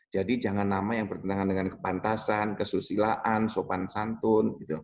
jadi jangan nama yang bertentangan dengan kepantasan kesusilaan sopan santun